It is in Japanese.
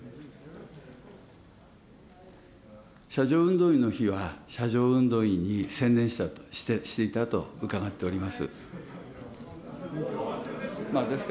車上運動員の日は、車上運動員に専念していたと伺っております。